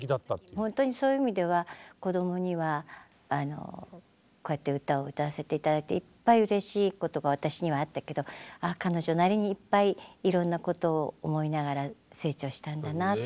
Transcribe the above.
ほんとにそういう意味では子どもにはこうやって歌を歌わせて頂いていっぱいうれしいことが私にはあったけど彼女なりにいっぱいいろんなことを思いながら成長したんだなって。